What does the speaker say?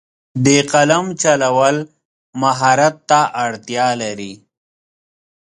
د قلم چلول مهارت ته اړتیا لري.